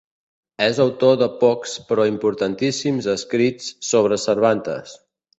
És autor de pocs però importantíssims escrits sobre Cervantes.